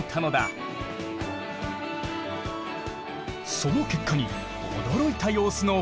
その結果に驚いた様子の２人。